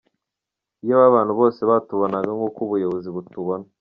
Iyaba abantu bose batubonaga nk’uko ubuyobozi butubona.